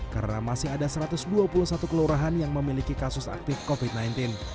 karena masih ada satu ratus dua puluh satu kelurahan yang memiliki kasus aktif covid sembilan belas